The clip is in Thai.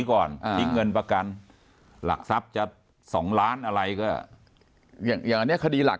ก่อนที่เงินประกันหลักทรัพย์จะ๒ล้านอะไรก็อย่างอันนี้คดีหลัก